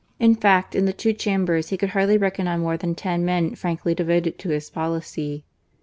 In fact, in the two Chambers he could hardly reckon on more than ten men frankly devoted to his policy.